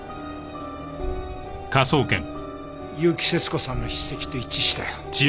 結城節子さんの筆跡と一致したよ。